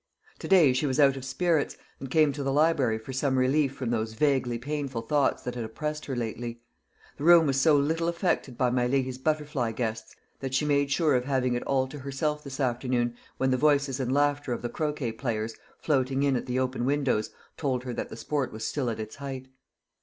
To day she was out of spirits, and came to the library for some relief from those vaguely painful thoughts that had oppressed her lately. The room was so little affected by my lady's butterfly guests that she made sure of having it all to herself this afternoon, when the voices and laughter of the croquet players, floating in at the open windows, told her that the sport was still at its height.